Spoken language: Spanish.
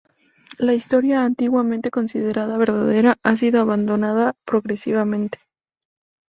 La historia, antiguamente considerada verdadera, ha sido abandonada progresivamente.